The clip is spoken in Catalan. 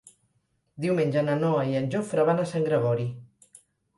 Diumenge na Noa i en Jofre van a Sant Gregori.